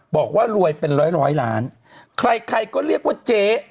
บอกว่ารวยเป็นร้อยร้อยล้านใครใครก็เรียกว่าเจ๊